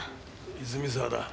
泉沢だ。